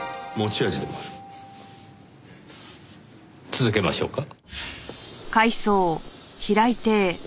続けましょうか？